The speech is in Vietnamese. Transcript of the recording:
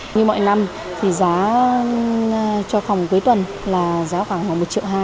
như mọi năm thì giá cho phòng cuối tuần là giá khoảng một triệu hai